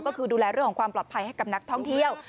ก็คือดูแลเรื่องของความปลอดภัยให้กับนักท่องเที่ยว